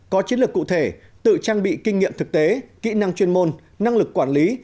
có chiến lược cụ thể tự trang bị kinh nghiệm thực tế kỹ năng chuyên môn năng lực quản lý